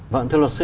vâng thưa luật sư